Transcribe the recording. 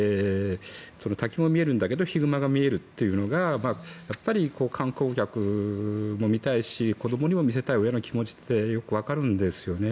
滝も見えるんだけどヒグマが見えるというのが観光客も見たいし子どもにも見せたい親の気持ちってよくわかるんですよね。